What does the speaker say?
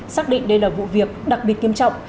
xác định đây là vụ việc đặc biệt nghiêm trọng